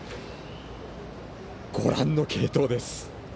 ご覧の継投です。